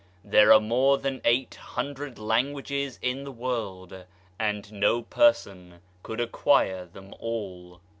There are more than eight hundred languages in the world, and no person could acquire them all.